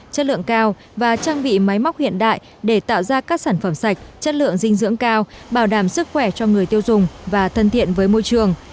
chất lượng cao và trang bị máy móc hiện đại để tạo ra các sản phẩm sạch chất lượng dinh dưỡng cao bảo đảm sức khỏe cho người tiêu dùng và thân thiện với môi trường